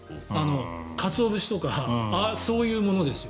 カツオ節とかそういうものですよ。